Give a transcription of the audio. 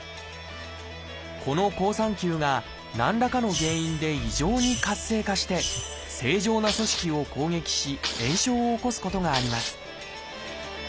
この好酸球が何らかの原因で異常に活性化して正常な組織を攻撃し炎症を起こすことがあります